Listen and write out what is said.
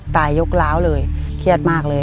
ตายยกร้าวเลยเครียดมากเลย